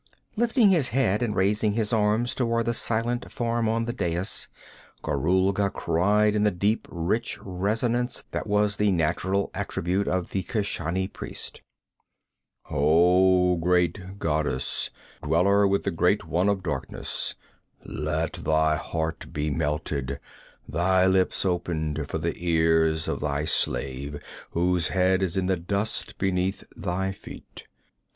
Lifting his head and raising his arms toward the silent form on the dais, Gorulga cried in the deep, rich resonance that was the natural attribute of the Keshani priest: 'Oh, great goddess, dweller with the great one of darkness, let thy heart be melted, thy lips opened for the ears of thy slave whose head is in the dust beneath thy feet!